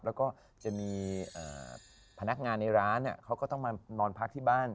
แล้วก็จะมีพนักงานในร้านเขาก็ต้องมานอนพักที่บ้าน